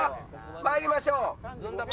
参りましょう。